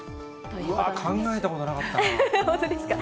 考えたことなかった。